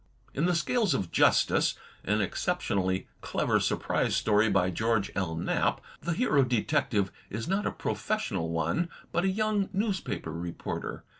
In "The Scales of Justice," an exceptionally clever surprise story by George L. Knapp, the Hero Detective is not a pro fessional one, but a young newspaper reporter.